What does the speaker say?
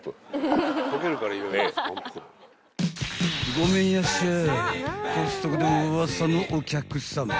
［ごめんやっしゃい］